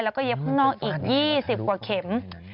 แล้วก็เย็บข้างนอกอีก๒๐กว่าเข็ม